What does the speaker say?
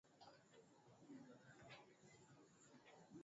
Katika klabu ya Manchester Unitedi na timu yake ya taifa